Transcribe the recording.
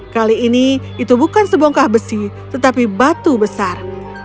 kali ini itu bukan sebongkah besi tetapi batu besar